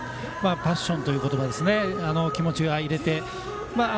パッションという言葉で気持ちを入れて。